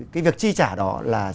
cái việc chi trả đó là